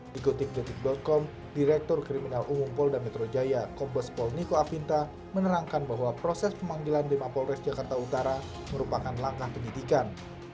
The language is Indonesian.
dikotik com direktur kriminal umum polda metro jaya kompos pol niko afinta menerangkan bahwa proses pemanggilan tema polres jakarta utara merupakan langkah penyidikan